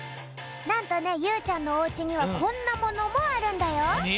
なんとねゆうちゃんのおうちにはこんなものもあるんだよ。